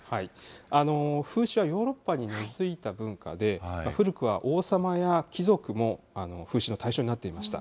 風刺はヨーロッパに根づいた文化で、古くは王様や貴族も風刺の対象になっていました。